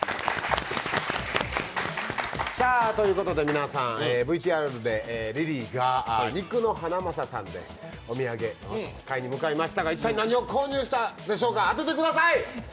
皆さん、ＶＴＲでリリーが肉のハナマサさんでお土産、買いに向かいましたが一体何を購入したんでしょうか、当ててください。